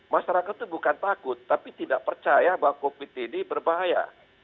masyarakat itu bukan takut tapi tidak percaya bahwa covid ini berbahaya